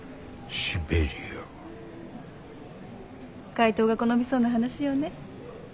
怪盗が好みそうな話よね。